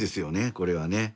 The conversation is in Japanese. これはね。